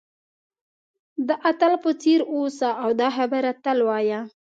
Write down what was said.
د اتل په څېر اوسه او دا خبره تل وایه.